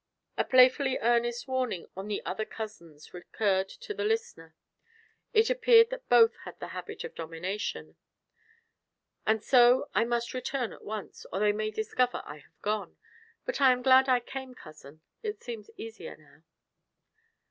A playfully earnest warning of the other cousin's recurred to the listener; it appeared that both had "the habit of domination." "And so I must return at once, or they may discover I have gone. But I am glad I came, cousin; it seems easier now."